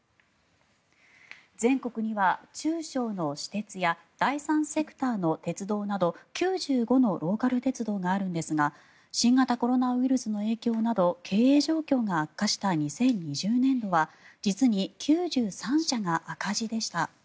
全国には中小の私鉄や第三セクターの鉄道など９５のローカル鉄道があるんですが新型コロナウイルスの影響など経営状況が悪化した２０２０年度は実に９３社が赤字でした。